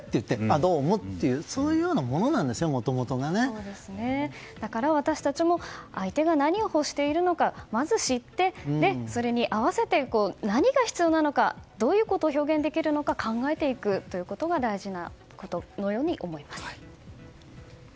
どうもっていうそういうものなんですよだから私たちも相手が何を欲しているのかまず知って、それに合わせて何が必要なのかどういうことを表現できるのか考えていくということが大事なことのように思います。